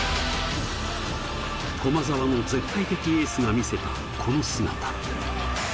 駒澤の絶対的エースが見せた、この姿。